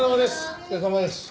お疲れさまです。